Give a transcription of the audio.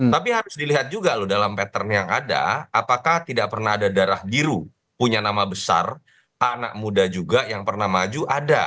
tapi harus dilihat juga loh dalam pattern yang ada apakah tidak pernah ada darah biru punya nama besar anak muda juga yang pernah maju ada